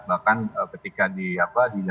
bahkan ketika di dalam persidangan